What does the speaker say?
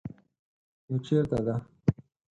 _نو چېرته ده؟